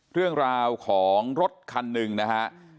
เรื่องราวของรถคันหนึ่งนะฮะ